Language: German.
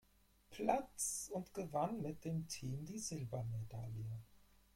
Platz und gewann mit dem Team die Silbermedaille.